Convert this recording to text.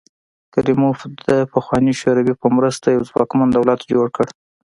کریموف د پخوا شوروي په مرسته یو ځواکمن دولت جوړ کړ.